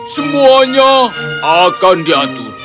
semuanya akan diatur